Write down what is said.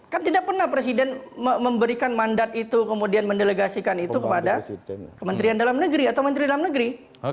kan tidak pernah presiden memberikan mandat itu kemudian mendelegasikan itu kepada menteri dalam negeri